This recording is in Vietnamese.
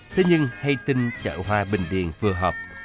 thế nhưng hay tin chợ hoa bình điền vừa hợp